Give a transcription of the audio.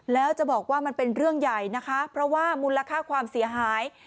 แล้วจะบอกว่ามันเป็นเรื่องใหญ่นะคะเพราะว่ามูลค่าความเสียหาย